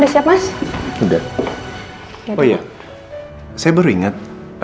saya baru ingat